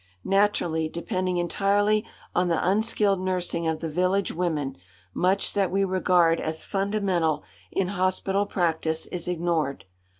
Naturally, depending entirely on the unskilled nursing of the village women, much that we regard as fundamental in hospital practice is ignored.